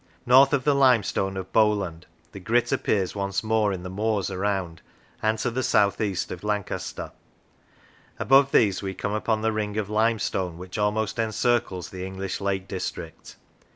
North of the limestone of Bowland the grit appears once more in the moors around and to the south east of Lancaster; above these we come upon the ring of limestone which almost encircles the English Lake District.